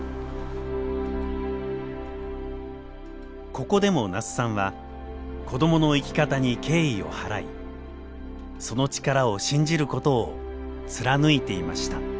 ここでも那須さんは子どもの生き方に敬意を払いその力を信じることを貫いていました。